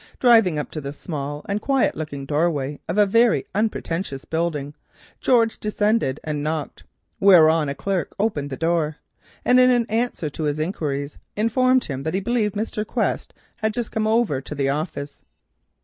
Driving up to the small and quiet looking doorway of a very unpretentious building, George descended and knocked. Thereon a clerk opened the door, and in answer to his inquiries informed him that he believed Mr. Quest had just come over to the office.